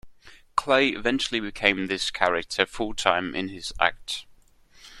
Clay eventually became this character full-time in his act.